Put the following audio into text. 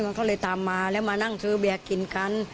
มันก็เลยตามมาแล้วมานั่งซื้อเบียร์กินกัน